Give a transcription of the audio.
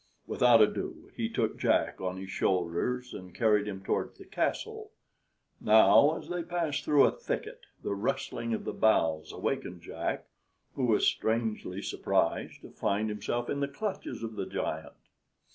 Without ado, he took Jack on his shoulders and carried him towards his castle. Now, as they passed through a thicket, the rustling of the boughs awakened Jack, who was strangely surprised to find himself in the clutches of the giant.